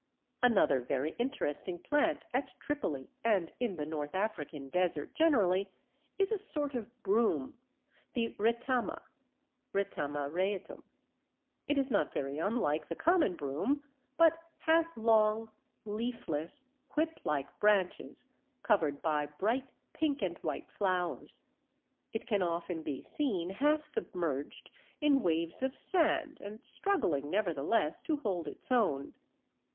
Another very interesting plant at Tripoli and in the North African Desert generally, is a sort of broom, the Retama (Retama Raetam). It is not very unlike the common broom, but has long, leafless, whip like branches covered by bright pink and white flowers. It can often be seen half submerged in waves of sand, and struggling nevertheless to hold its own.